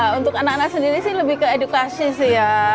untuk anak anak sendiri sih lebih ke edukasi sih ya